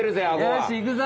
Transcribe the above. よしいくぞ！